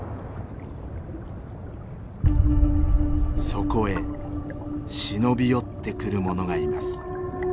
そこへ忍び寄ってくるものがいます。